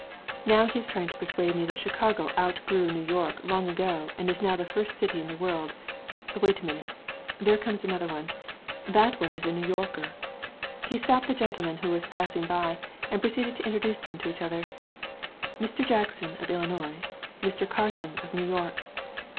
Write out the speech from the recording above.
Now he is trying to persuade me that Chicago outgrew New York long ago and is now the first city in the world. Wait a minute ... there comes another one. That one is a New Yorker." He stopped the gentleman who was passing by and proceeded to introduce them to each other: "Mr. Jackson of Illinois, Mr. Carson of New York."